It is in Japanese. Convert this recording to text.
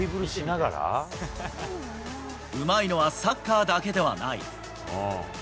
うまいのはサッカーだけではない。